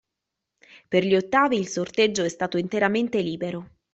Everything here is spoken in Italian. Per gli ottavi, il sorteggio è stato interamente libero.